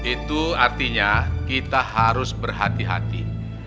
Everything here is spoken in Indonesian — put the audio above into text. itu artinya kita harus berhati hati